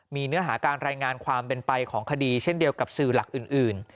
มีเนื้อหาการรายงานความเป็นไปของคดีเช่นเดียวกับสื่อหลักอื่น